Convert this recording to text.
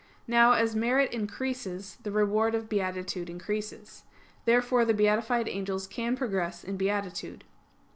Now, as merit increases, the reward of beatitude increases. Therefore the beatified angels can progress in beatitude.